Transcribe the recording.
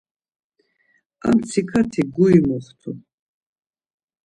A mtsikati guri muxtu.